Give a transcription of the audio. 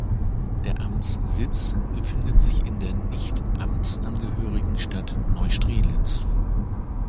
Der Amtssitz befindet sich in der nicht amtsangehörigen Stadt Neustrelitz.